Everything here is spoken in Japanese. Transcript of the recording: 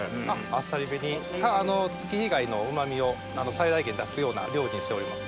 あっさりめに月日貝のうま味を最大限に出すような料理にしております。